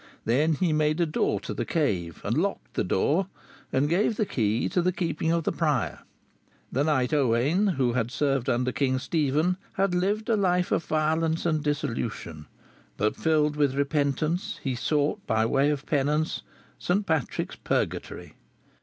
Then he made a door to the cave, and locked the door, and gave the key to the keeping of the prior. The Knight Owain, who had served under King Stephen, had lived a life of violence and dissolution; but filled with repentance, he sought by way of penance St. Patrick's Purgatory.